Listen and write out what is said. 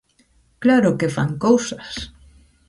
¡Claro que fan cousas!